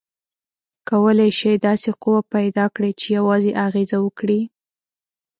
کولی شئ داسې قوه پیداکړئ چې یوازې اغیزه وکړي؟